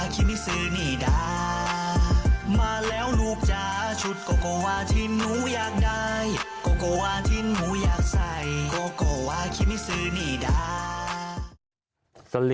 ก็ก็ว่าที่หนูอยากได้ก็ก็ว่าที่หนูอยากใส่ก็ก็ว่าฮิมิสุนีดา